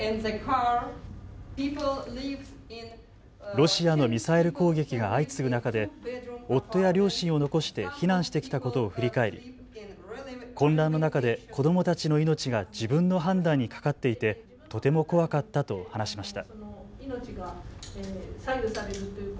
ロシアのミサイル攻撃が相次ぐ中で夫や両親を残して避難してきたことを振り返り混乱の中で子どもたちの命が自分の判断にかかっていてとても怖かったと話しました。